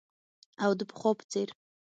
او د پخوا په څیر